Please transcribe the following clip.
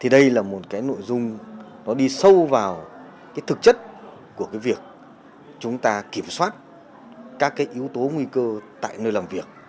đây là một nội dung đi sâu vào thực chất của việc chúng ta kiểm soát các yếu tố nguy cơ tại nơi làm việc